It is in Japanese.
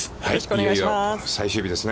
いよいよ最終日ですね。